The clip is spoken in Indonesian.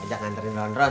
be ajak nganterin ronron